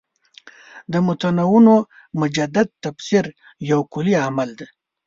د متنونو مجدد تفسیر یو کُلي عمل دی.